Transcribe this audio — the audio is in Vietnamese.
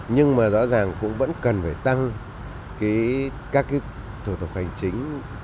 nhưng mà rõ ràng cũng vẫn cần phải tăng các thủ tục hành chính